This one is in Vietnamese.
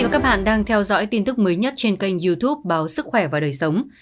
các bạn đang theo dõi tin tức mới nhất trên kênh youtube báo sức khỏe và đời sống